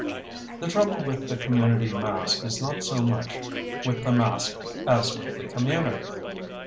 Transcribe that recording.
The trouble with the community masque is not so much with the masque as with the community.